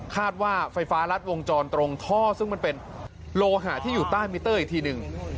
คาดว่าไฟฟ้ารัดวงจรตรงท่อซึ่งมันเป็นโลหะที่อยู่ใต้มิเตอร์อีกทีหนึ่ง